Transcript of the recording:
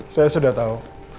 saya sudah tahu